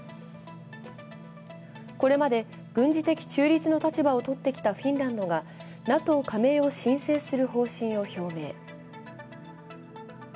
これまで軍事的中立の立場をとってきたフィンランドがＮＡＴＯ加盟を申請する方針を表明。